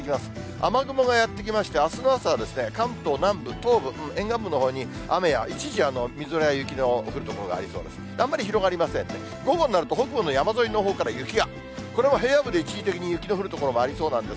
雨雲がやって来まして、あすの朝、関東南部、東部、沿岸部のほうに雨や、一時みぞれや雪の降る所がありそうです。